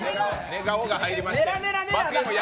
寝顔が入りました。